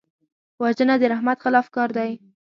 وژنه د رحمت خلاف کار دی